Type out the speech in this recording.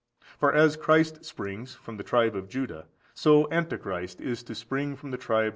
For as Christ springs from the tribe of Judah, so Antichrist is to spring from the tribe of Dan.